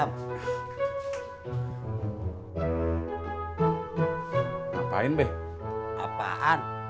ya tapi aku mau makan